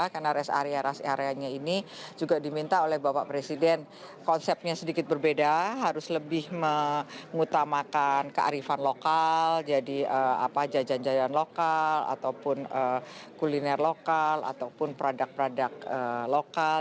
karena rest area rest area ini juga diminta oleh bapak presiden konsepnya sedikit berbeda harus lebih mengutamakan kearifan lokal jadi jajan jajan lokal ataupun kuliner lokal ataupun produk produk lokal